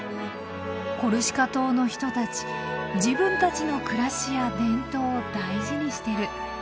コルシカ島の人たち自分たちの暮らしや伝統を大事にしてる。